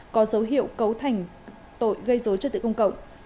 có dấu hiệu cấu thành tội gây dối trật tự công cộng